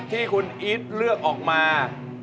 ที่คุณอีทเลือกออกมา